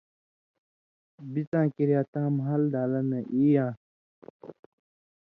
بِڅاں کریا تاں مھال دالہ نہ ای یان٘س